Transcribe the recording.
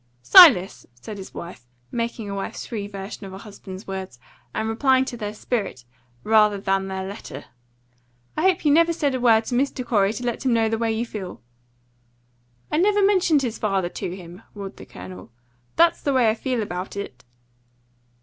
"Silas," said his wife, making a wife's free version of her husband's words, and replying to their spirit rather than their letter, "I hope you never said a word to Mr. Corey to let him know the way you feel." "I never mentioned his father to him!" roared the Colonel. "That's the way I feel about it!"